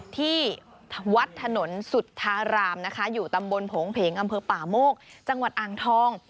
ที่วัดถนนสุธารามนะคะอยู่ตำบลโผงเพงอำเภอป่าโมกจังหวัดอ่างทอง